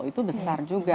itu besar juga